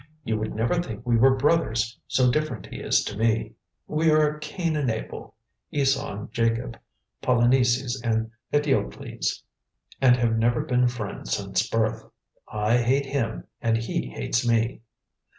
You would never think we were brothers, so different he is to me. We are Cain and Abel, Esau and Jacob, Polynices and Eteocles, and have never been friends since birth. I hate him, and he hates me."